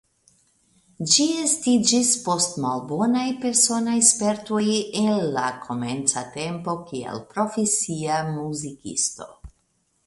Ĝi estiĝis post malbonaj personaj spertoj el la komenca tempo kiel profesia muzikisto.